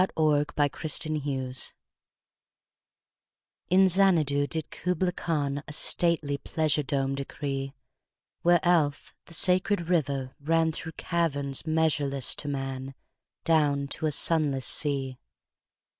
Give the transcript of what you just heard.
Kubla Khan IN Xanadu did Kubla Khan A stately pleasure dome decree: Where Alph, the sacred river, ran Through caverns measureless to man Down to a sunless sea.